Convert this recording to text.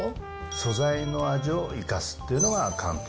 素材の味を生かすっていうのが広東。